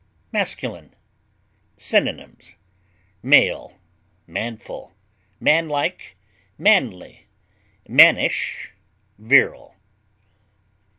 MASCULINE. Synonyms: male, manful, manlike, manly, mannish, virile.